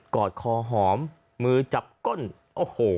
อดคอหอมมือจับก้นโอ้โห